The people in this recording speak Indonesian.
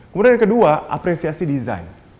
kemudian yang kedua apresiasi desain